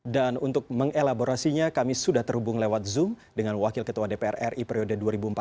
dan untuk mengelaborasinya kami sudah terhubung lewat zoom dengan wakil ketua dpr ri periode dua ribu empat belas dua ribu sembilan belas